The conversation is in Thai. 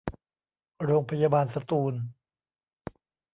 โรงพยาบาลสตูล